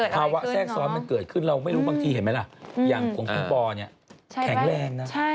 แทรกซ้อนมันเกิดขึ้นเราไม่รู้บางทีเห็นไหมล่ะอย่างของคุณปอเนี่ยแข็งแรงนะ